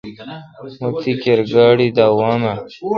مہ تی کیر گاڑی داوام اؘ۔